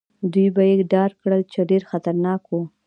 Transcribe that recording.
دوی به يې ډار کړل، چې ډېر خطرناک وو.